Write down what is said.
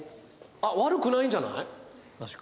あっ悪くないんじゃない？